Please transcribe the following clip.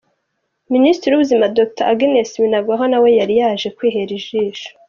Minisitiri w’ubuzima Dr Agnes Binagwaho nawe yari yaje kwihera ijisho.